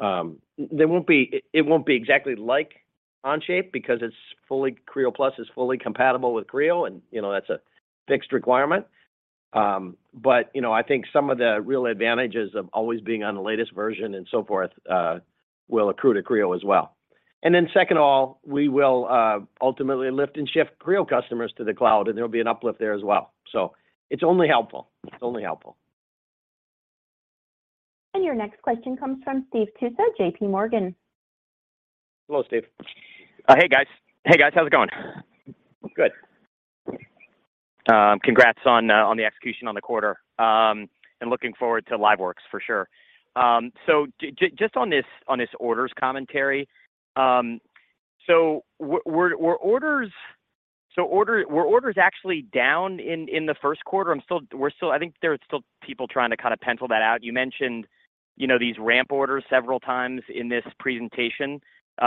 It won't be exactly like Onshape because Creo+ is fully compatible with Creo, and, you know, that's a fixed requirement. I think some of the real advantages of always being on the latest version and so forth, will accrue to Creo as well. Second all, we will ultimately lift and shift Creo customers to the cloud, and there'll be an uplift there as well. It's only helpful. It's only helpful. Your next question comes from Steve Tusa, JPMorgan. Hello, Steve. Hey guys, how's it going? Good. Congrats on the execution on the quarter, and looking forward to LiveWorx for sure. Just on this orders commentary, were orders actually down in the first quarter? I think there are still people trying to kind of pencil that out. You mentioned, you know, these ramp orders several times in this presentation,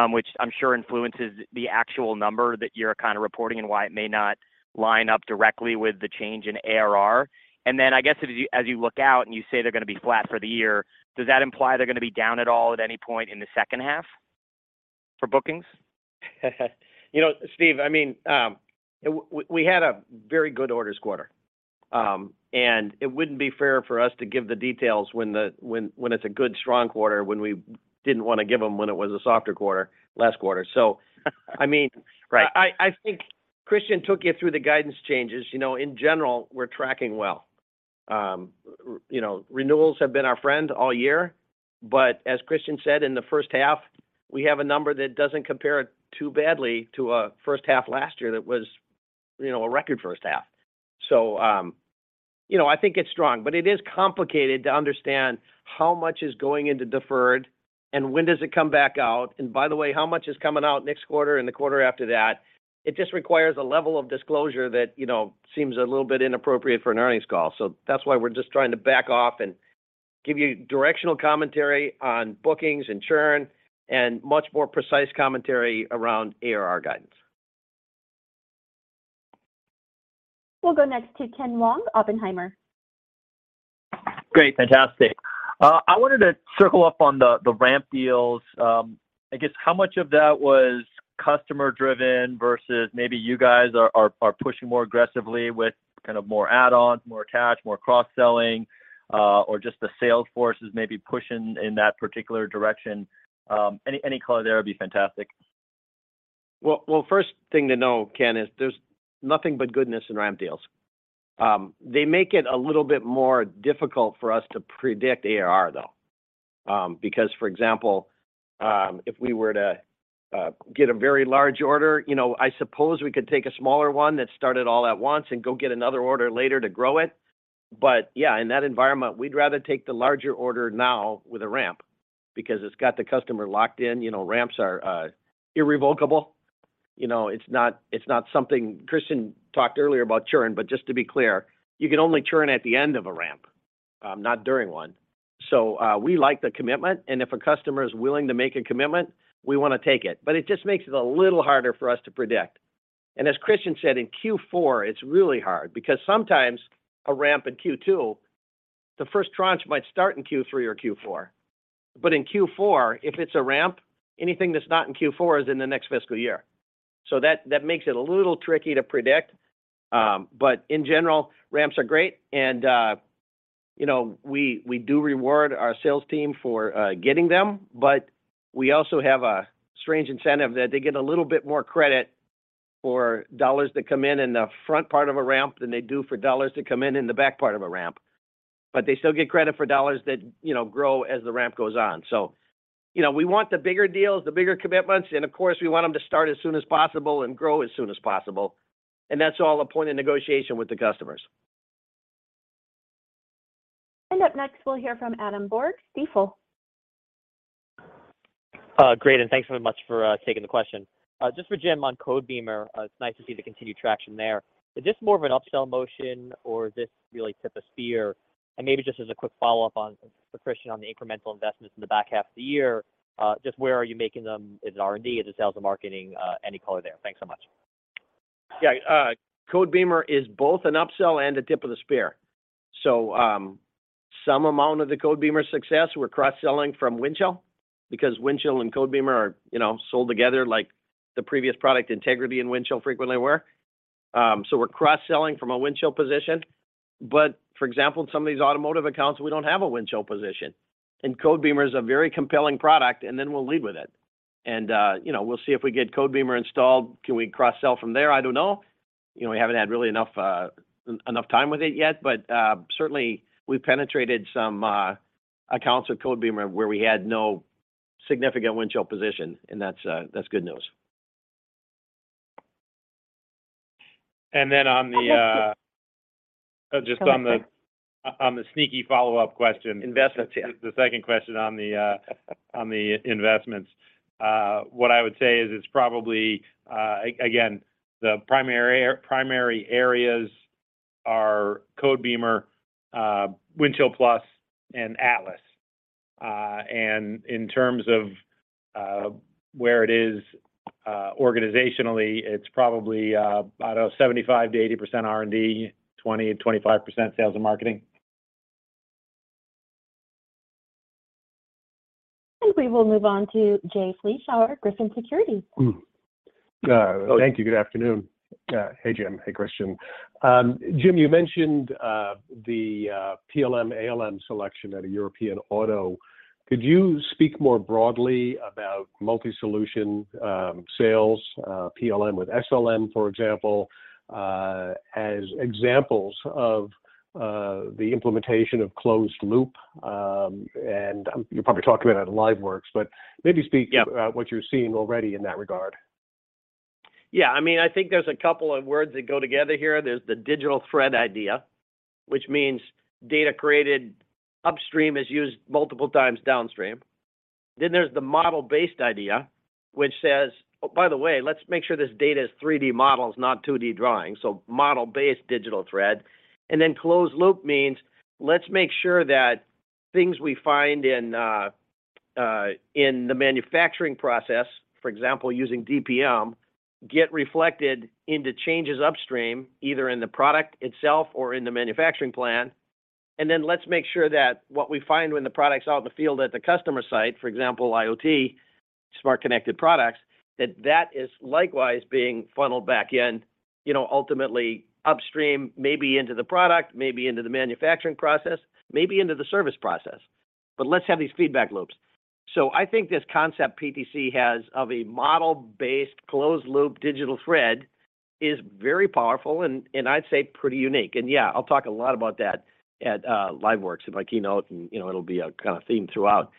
which I'm sure influences the actual number that you're kind of reporting and why it may not line up directly with the change in ARR. I guess as you look out, and you say they're gonna be flat for the year, does that imply they're gonna be down at all at any point in the second half for bookings? You know, Steve, I mean, we had a very good orders quarter. It wouldn't be fair for us to give the details when it's a good, strong quarter when we didn't wanna give them when it was a softer quarter last quarter. I mean. Right I think Kristian took you through the guidance changes. You know, in general, we're tracking well. You know, renewals have been our friend all year, as Kristian said, in the first half, we have a number that doesn't compare too badly to first half last year that was, you know, a record first half. You know, I think it's strong, but it is complicated to understand how much is going into deferred and when does it come back out, and by the way, how much is coming out next quarter and the quarter after that. It just requires a level of disclosure that, you know, seems a little bit inappropriate for an earnings call. That's why we're just trying to back off and give you directional commentary on bookings and churn and much more precise commentary around ARR guidance. We'll go next to Ken Wong, Oppenheimer. Great. Fantastic. I wanted to circle up on the ramp deals. I guess how much of that was customer driven versus maybe you guys are pushing more aggressively with kind of more add-ons, more attach, more cross-selling, or just the sales force is maybe pushing in that particular direction? Any color there would be fantastic. Well, first thing to know, Ken, is there's nothing but goodness in ramp deals. They make it a little bit more difficult for us to predict ARR, though. Because for example, if we were to get a very large order, you know, I suppose we could take a smaller one that started all at once and go get another order later to grow it. Yeah, in that environment, we'd rather take the larger order now with a ramp because it's got the customer locked in. You know, ramps are irrevocable. You know, it's not something. Kristian talked earlier about churn, just to be clear, you can only churn at the end of a ramp, not during one. We like the commitment, and if a customer is willing to make a commitment, we wanna take it. It just makes it a little harder for us to predict. As Kristian said, in Q4, it's really hard because sometimes a ramp in Q2, the first tranche might start in Q3 or Q4. In Q4, if it's a ramp, anything that's not in Q4 is in the next fiscal year. That makes it a little tricky to predict. In general, ramps are great and, you know, we do reward our sales team for getting them, we also have a strange incentive that they get a little bit more credit for dollars that come in in the front part of a ramp than they do for dollars that come in in the back part of a ramp. They still get credit for dollars that, you know, grow as the ramp goes on. You know, we want the bigger deals, the bigger commitments, and of course, we want them to start as soon as possible and grow as soon as possible. That's all a point of negotiation with the customers. Up next, we'll hear from Adam Borg, Stifel. Great, and thanks very much for taking the question. Just for Jim on Codebeamer, it's nice to see the continued traction there. Is this more of an upsell motion, or is this really tip of spear? Maybe just as a quick follow-up on, for Kristian on the incremental investments in the back half of the year, just where are you making them? Is it R&D? Is it sales and marketing? Any color there. Thanks so much. Yeah, Codebeamer is both an upsell and a tip of the spear. Some amount of the Codebeamer success we're cross-selling from Windchill, because Windchill and Codebeamer are, you know, sold together like the previous product Integrity and Windchill frequently were. We're cross-selling from a Windchill position. For example, in some of these automotive accounts, we don't have a Windchill position, and Codebeamer is a very compelling product, and then we'll lead with it. You know, we'll see if we get Codebeamer installed. Can we cross-sell from there? I don't know. You know, we haven't had really enough time with it yet, but certainly we've penetrated some accounts with Codebeamer where we had no significant Windchill position, and that's good news. Then on the, just on the, on the sneaky follow-up question. Investments, yeah. The second question on the investments. What I would say is it's probably again, the primary areas are Codebeamer, Windchill+, and Atlas. In terms of where it is organizationally, it's probably, I don't know, 75%-80% R&D, 20%-25% sales and marketing. We will move on to Jay Vleeschhouwer at Griffin Securities. Mm. Thank you. Good afternoon. Hey Jim. Hey Kristian. Jim, you mentioned the PLM/ALM selection at a European auto. Could you speak more broadly about multi-solution sales, PLM with SLM, for example, as examples of the implementation of closed loop, and you're probably talking about LiveWorx? Yep Maybe speak about what you're seeing already in that regard. Yeah, I mean, I think there's a couple of words that go together here. There's the digital thread idea, which means data created upstream is used multiple times downstream. There's the model-based idea, which says, "Oh, by the way, let's make sure this data is 3D models, not 2D drawings." Model-based digital thread. Closed-loop means let's make sure that things we find in the manufacturing process, for example, using DPM, get reflected into changes upstream, either in the product itself or in the manufacturing plan. Let's make sure that what we find when the product's out in the field at the customer site, for example, IoT, smart connected products, that is likewise being funneled back in, you know, ultimately upstream, maybe into the product, maybe into the manufacturing process, maybe into the service process. Let's have these feedback loops. I think this concept PTC has of a model-based, closed-loop, digital thread is very powerful and I'd say pretty unique. Yeah, I'll talk a lot about that at LiveWorx in my keynote and, you know, it'll be a kinda theme throughout.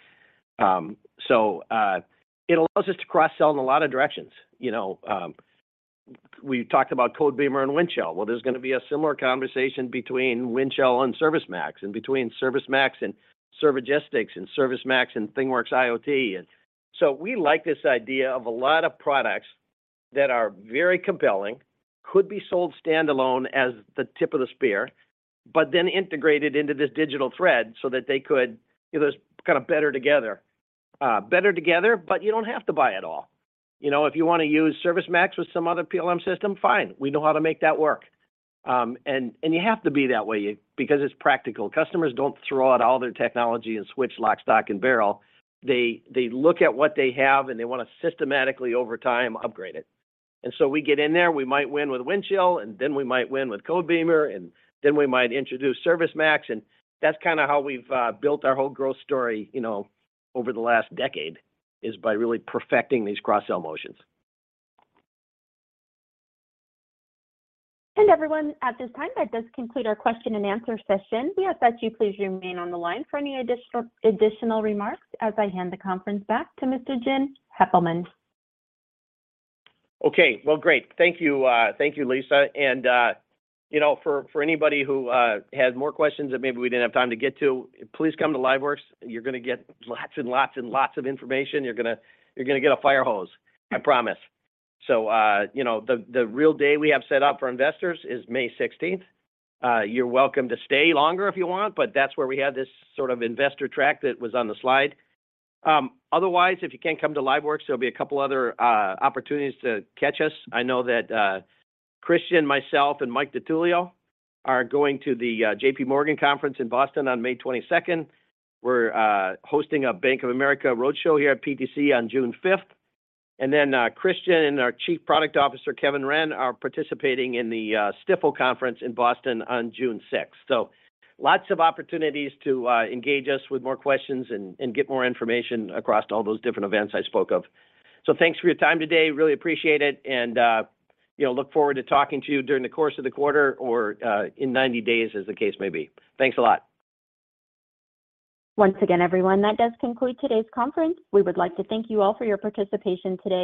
It allows us to cross-sell in a lot of directions, you know. We talked about Codebeamer and Windchill. There's gonna be a similar conversation between Windchill and ServiceMax, and between ServiceMax and Servigistics, and ServiceMax and ThingWorx IoT. We like this idea of a lot of products that are very compelling, could be sold standalone as the tip of the spear, but then integrated into this digital thread so that they could, you know, it's kind of better together. Better together, but you don't have to buy it all. You know, if you wanna use ServiceMax with some other PLM system, fine, we know how to make that work. You have to be that way, because it's practical. Customers don't throw out all their technology and switch lock, stock, and barrel. They look at what they have, and they wanna systematically, over time, upgrade it. We get in there, we might win with Windchill, and then we might win with Codebeamer, and then we might introduce ServiceMax, and that's kinda how we've built our whole growth story, you know, over the last decade, is by really perfecting these cross-sell motions. Everyone, at this time, that does conclude our question and answer session. We ask that you please remain on the line for any additional remarks as I hand the conference back to Mr. Jim Heppelmann. Okay. Well, great. Thank you, thank you Lisa. You know, for anybody who has more questions that maybe we didn't have time to get to, please come to LiveWorx. You're gonna get lots and lots and lots of information. You're gonna get a fire hose, I promise. You know, the real day we have set up for investors is May 16th. You're welcome to stay longer if you want, that's where we have this sort of investor track that was on the slide. Otherwise, if you can't come to LiveWorx, there'll be a couple other opportunities to catch us. I know that Kristian Talvitie, myself, and Mike DiTullio are going to the JPMorgan conference in Boston on May 22nd. We're hosting a Bank of America road show here at PTC on June 5th. Kristian and our Chief Product Officer, Kevin Wrenn, are participating in the Stifel Conference in Boston on June 6th. Lots of opportunities to engage us with more questions and get more information across all those different events I spoke of. Thanks for your time today. Really appreciate it. You know, look forward to talking to you during the course of the quarter or in 90 days as the case may be. Thanks a lot. Once again, everyone, that does conclude today's conference. We would like to thank you all for your participation today.